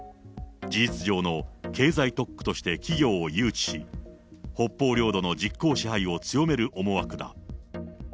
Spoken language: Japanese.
事実上の経済特区として企業を誘致し、北方領土の実効支配を強める思惑だ。